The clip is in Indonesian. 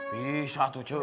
bisa tuh cek